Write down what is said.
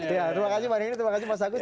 terima kasih mbak rini terima kasih mas agus